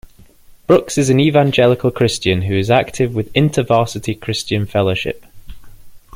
Brooks is an evangelical Christian who is active with InterVarsity Christian Fellowship.